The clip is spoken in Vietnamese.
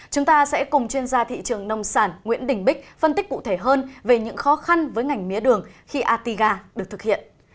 chúng ta sẽ cùng chuyên gia thị trường nông sản nguyễn đình bích phân tích cụ thể hơn về những khó khăn với ngành mía đường khi atiga được thực hiện